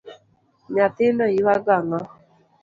Nyathino ywago ango.